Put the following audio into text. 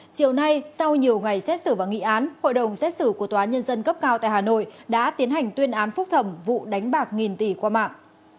chiều nay sau nhiều ngày xét xử và nghị án hội đồng xét xử của tòa nhân dân cấp cao tại hà nội đã tiến hành tuyên án phúc thẩm vụ đánh bạc nghìn tỷ qua mạng